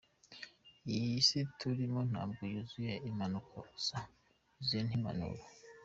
Iyi si turimo ntabwo yuzuye impanuka gusa, yuzuye n’impanuro.